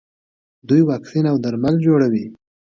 دوی واکسین او درمل جوړوي.